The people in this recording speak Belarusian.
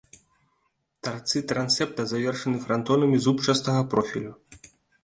Тарцы трансепта завершаны франтонамі зубчастага профілю.